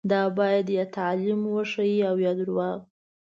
دا باید یا تعلیم وښيي او یا درواغ.